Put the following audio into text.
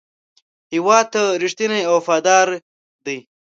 هېواد ته رښتینی او وفادار دی.